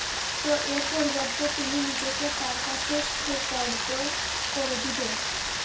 তো এর পরিবর্তে তুমি নিজেকে তাঁর কাছে সোপর্দ করে দিবে?